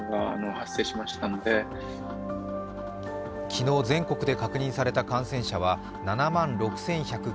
昨日、全国で確認された感染者は７万６１９９人。